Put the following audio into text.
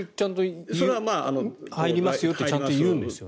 それは登りますとちゃんと言うんですよね。